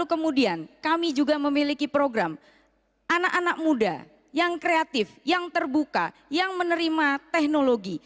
kemudian kami juga memiliki program anak anak muda yang kreatif yang terbuka yang menerima teknologi